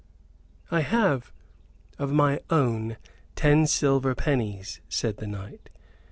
"I have, of my own, ten silver pennies," said the knight.